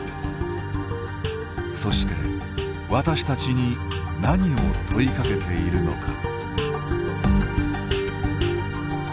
そして、私たちに何を問いかけているのか。